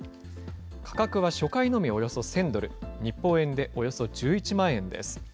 価格は初回のみおよそ１０００ドル、日本円でおよそ１１万円です。